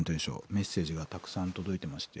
メッセージがたくさん届いてまして